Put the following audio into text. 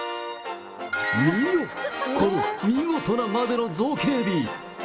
見よ、この見事なまでの造形美。